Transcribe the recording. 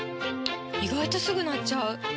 意外とすぐ鳴っちゃう！